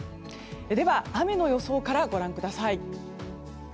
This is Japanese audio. では雨の予想からご覧ください。